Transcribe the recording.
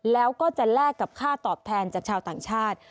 แล้วก็จะแลกกับค่าตอบแทนจากชาวต่างชาติ